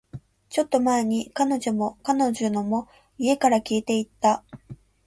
ちょっと前に、彼女も、彼女のものも、家から消えていった